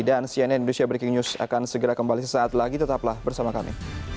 dan cnn indonesia breaking news akan segera kembali sesaat lagi tetaplah bersama kami